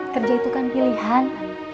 kerja itu kan pilihan